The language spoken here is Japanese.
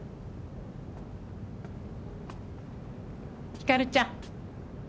ひかるちゃん。